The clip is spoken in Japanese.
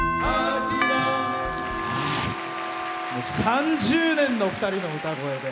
３０年の２人の歌声で。